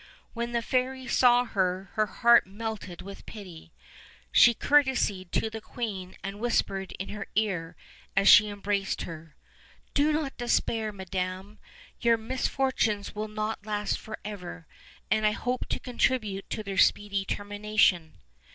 When the fairy saw her her heart melted with pity; she courtesied to the queen and whispered in her ear as she embraced her: "Do not despair, madam, your mis fortunes will not last forever, and I hope to contribute to their speedy termination."